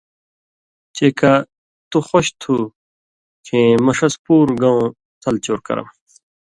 چےۡ کہ تُو خوش تُھو کھیں مہ ݜس پُوروۡ گؤں تَل چور کرم